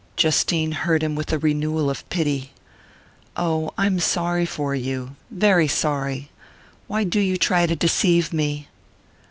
Justine heard him with a renewal of pity. "Oh, I'm sorry for you very sorry! Why do you try to deceive me?"